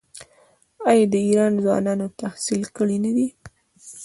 آیا د ایران ځوانان تحصیل کړي نه دي؟